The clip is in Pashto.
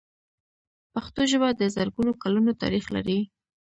پښتو ژبه د زرګونو کلونو تاریخ لري.